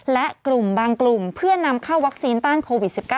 และกลุ่มบางกลุ่มเพื่อนำเข้าวัคซีนต้านโควิด๑๙